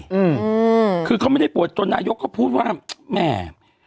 อืมคือเขาไม่ได้ปวดจนนายกเขาพูดว่าแม่